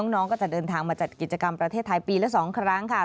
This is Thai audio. น้องก็จะเดินทางมาจัดกิจกรรมประเทศไทยปีละ๒ครั้งค่ะ